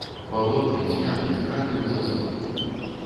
Балотны, цьмяны, здрадлівы застой!